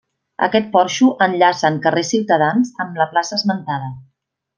Aquest porxo enllaça en Carrer Ciutadans amb la plaça esmentada.